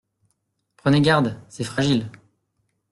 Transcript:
Prenez garde… c’est fragile.